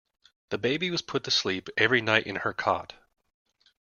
The baby was put to sleep every night in her cot